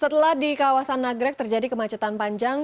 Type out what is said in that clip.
setelah di kawasan nagrek terjadi kemacetan panjang